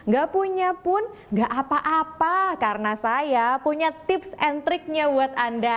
gak punya pun gak apa apa karena saya punya tips and triknya buat anda